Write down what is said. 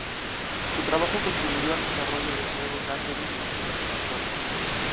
Su trabajo contribuyó al desarrollo de nuevos láseres y superconductores.